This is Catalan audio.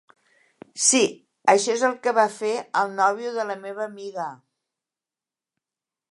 Sí, això és el que va fer el nòvio de la meva amiga!